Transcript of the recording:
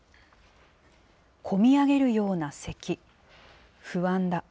込み上げるようなせき、不安だ。